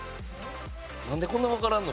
なんでこんなわからんの？